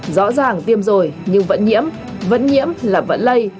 rõ ràng tiêm rồi nhưng vẫn nhiễm vẫn nhiễm là vẫn lây